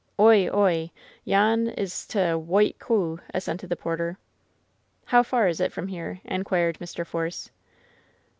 "Oie, oie, yon 's t' Whoit Coo," assented the porter. "How far is it from here ?" inquired Mr. Force.